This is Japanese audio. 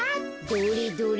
どれどれ。